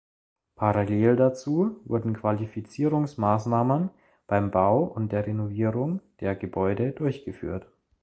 Parallel dazu wurden Qualifizierungsmaßnahmen beim Bau und der Renovierung der Gebäude durchgeführt.